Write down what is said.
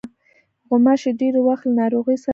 غوماشې ډېری وخت له ناروغیو سره مله وي.